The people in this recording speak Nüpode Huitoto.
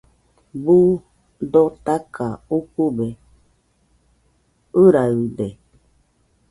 Buu dotaka ukube ɨraɨde